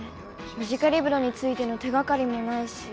ムジカリブロについての手がかりもないし。